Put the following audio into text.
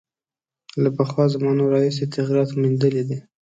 له پخوا زمانو راهیسې یې تغییرات میندلي دي.